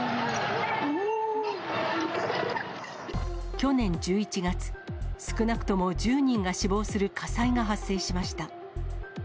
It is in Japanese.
去年１１月、少なくとも１０人が死亡する火災が発生しました。